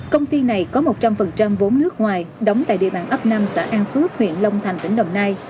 công ty này có một trăm linh vốn nước ngoài đóng tại địa bàn ấp năm xã an phước huyện long thành tỉnh đồng nai